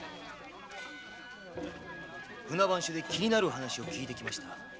船番所で気になる話を聞いてきました。